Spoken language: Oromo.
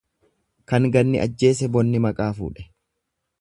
Kan ganni ajjeese bonni maqaa fuudhe.